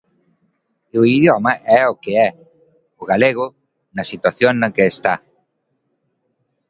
E o idioma é o que é, o galego, na situación na que está.